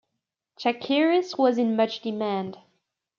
Chakiris was in much demand.